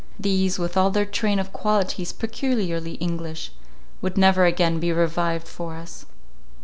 These, with all their train of qualities peculiarly English, would never again be revived for us.